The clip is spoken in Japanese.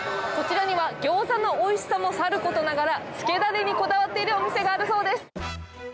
こちらには、ギョーザのおいしさもさることながら、つけだれにこだわっているお店があるそうです。